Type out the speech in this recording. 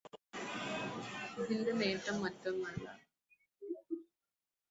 ഇതിന്റെ നേട്ടം മറ്റൊന്നല്ല.